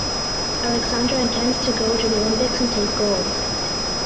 Aleksandra intends to go to the Olympics and take gold.